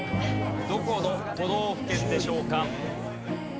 どこの都道府県でしょうか？